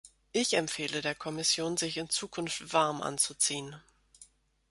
Ich empfehle der Kommission, sich in Zukunft warm anzuziehen.